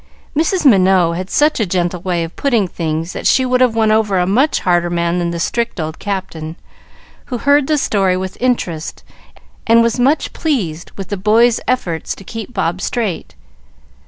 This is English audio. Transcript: Mrs. Minot had such a gentle way of putting things that she would have won over a much harder man than the strict old Captain, who heard the story with interest, and was much pleased with the boys' efforts to keep Bob straight.